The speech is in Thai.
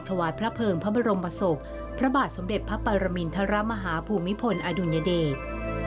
ถวายพระเภิงพระบรมศพพระบาทสมเด็จพระปรมินทรมาฮาภูมิพลอดุลยเดช